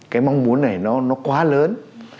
cái mong muốn này nó quá lớn